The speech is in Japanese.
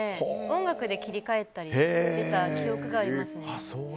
音楽で切り替えたりしてた記憶がありますね。